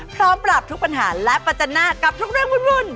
พร้อมปราบทุกปัญหาและประจันหน้ากับทุกเรื่องวุ่น